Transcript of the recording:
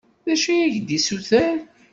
D acu i ak-d-tessuter?